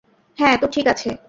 হ্যাঁ, তো ঠিক আছে।